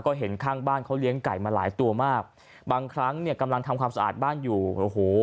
ก็เห็นข้างบ้านเขาเลี้ยงไก่มาหลายตัวมากบางครั้งเนี่ยกำลังทำความสะอาดบ้านอยู่โอ้โห